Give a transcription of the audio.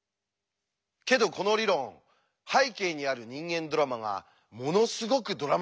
けどこの理論背景にある人間ドラマがものすごくドラマチックなんです。